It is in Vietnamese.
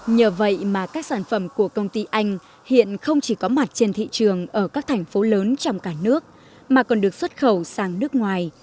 nhờ vậy mà các sản phẩm của công ty anh hiện không chỉ có mặt trên thị trường ở các thành phố lớn trong cả nước mà còn được xuất khẩu sang nước ngoài